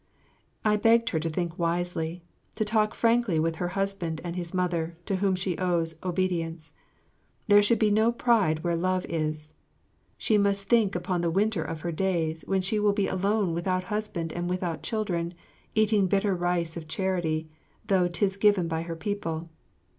I begged her to think wisely, to talk frankly with her husband and his mother, to whom she owes obedience. There should be no pride where love is. She must think upon the winter of her days, when she will be alone without husband and without children, eating bitter rice of charity, though 'tis given by her people.